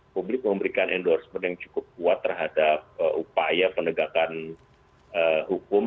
publik memberikan endorsement yang cukup kuat terhadap upaya penegakan hukum